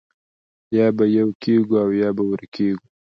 یا به یو کېږو او یا به ورکېږو